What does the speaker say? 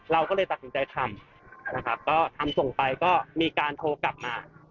เราก็เลยตัดสินใจทำนะครับก็ทำส่งไปก็มีการโทรกลับมา